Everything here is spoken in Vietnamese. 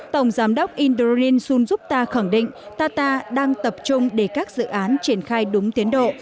tổng giám đốc indurin sunjuta khẳng định tata đang tập trung để các dự án triển khai đúng tiến độ